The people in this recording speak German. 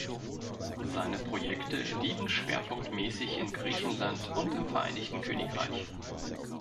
Seine Projekte liegen schwerpunktmäßig in Griechenland und im Vereinigten Königreich.